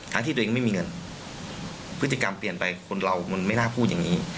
ที่ตัวเองไม่มีเงินพฤติกรรมเปลี่ยนไปคนเรามันไม่น่าพูดอย่างนี้